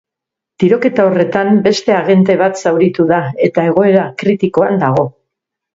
Tiroketa horretan beste agente bat zauritu da, eta egoera kritikoan dago.